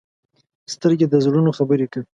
سترګې د زړونو خبرې کوي